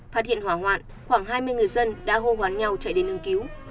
phát hiện hỏa hoạn khoảng hai mươi người dân đã hô hoán nhau chạy đến ứng cứu